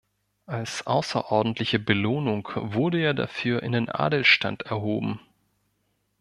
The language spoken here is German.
Als außerordentliche Belohnung wurde er dafür in den Adelsstand erhoben.